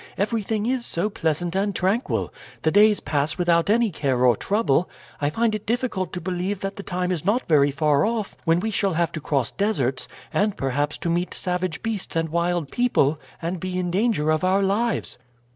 Everything is so pleasant and tranquil. The days pass without any care or trouble. I find it difficult to believe that the time is not very far off when we shall have to cross deserts, and perhaps to meet savage beasts and wild people, and be in danger of our lives."